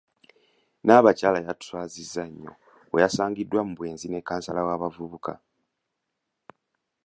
Nnabakyala yatuswaziza nnyo bwe yasangiddwa mu bwenzi ne kkansala w’abavubuka.